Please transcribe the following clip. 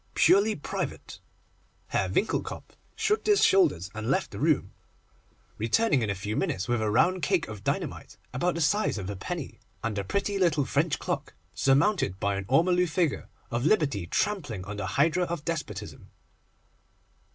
'Purely private.' Herr Winckelkopf shrugged his shoulders, and left the room, returning in a few minutes with a round cake of dynamite about the size of a penny, and a pretty little French clock, surmounted by an ormolu figure of Liberty trampling on the hydra of Despotism.